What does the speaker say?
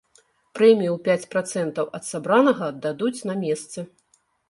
Прэмію ў пяць працэнтаў ад сабранага аддадуць на месцы.